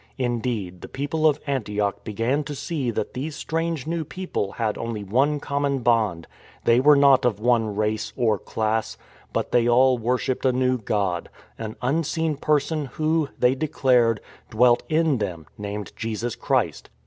Indeed, the people of Antioch began to see that these strange new people had only one common bond — they were not of one race, or class; but they all worshipped a new God — an unseen Person Who, they declared, dwelt in them, named Jesus Christ.